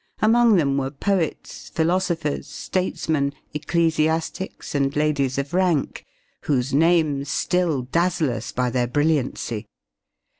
Among them were poets, philosophers, statesmen, ecclesiastics and ladies of rank, whose names still dazzle us by their brilliancy.